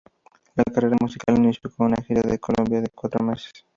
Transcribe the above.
La carrera musical inició con una gira en Colombia de cuatro meses.